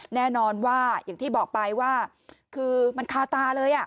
แน่นอนว่าอย่างที่บอกไปว่าคือมันคาตาเลย